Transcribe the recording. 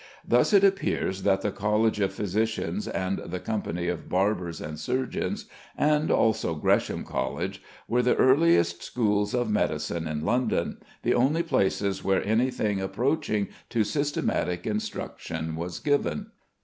Thus it appears that the College of Physicians and the Company of Barbers and Surgeons, and also Gresham College, were the earliest schools of medicine in London, the only places where anything approaching to systematic instruction was given.